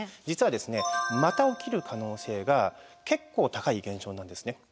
実はですねまた起きる可能性が結構高い現象なんですね。